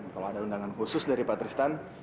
kalo ada undangan khusus dari patristan